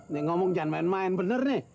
nih ngomong jangan main main bener nih